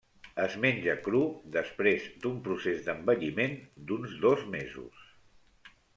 Es menja cru després d'un procés d'envelliment d'uns dos mesos.